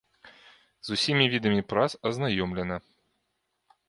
З усімі відамі прац азнаёмлена.